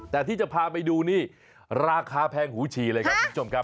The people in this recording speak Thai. แต่ที่จะพาไปดูนี่ราคาแพงหูฉี่เลยครับคุณผู้ชมครับ